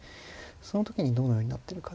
その時にどのようになってるかですね。